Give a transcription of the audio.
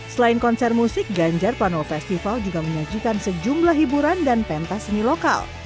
selain konser musik ganjar pranowo festival juga menyajikan sejumlah hiburan dan pentas seni lokal